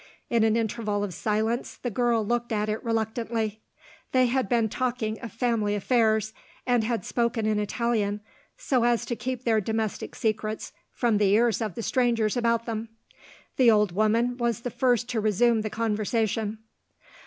In an interval of silence the girl looked at it reluctantly. They had been talking of family affairs and had spoken in Italian, so as to keep their domestic secrets from the ears of the strangers about them. The old woman was the first to resume the conversation.